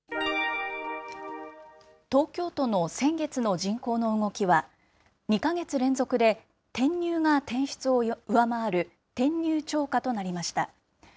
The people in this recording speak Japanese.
東京都の先月の人口の動きは、２か月連続で転入が転出を上回る転入超過となりました。